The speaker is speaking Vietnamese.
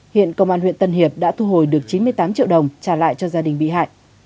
hiện công an huyện tân hiệp đã thu hồi được chín mươi tám triệu đồng trả lại cho gia đình bị hại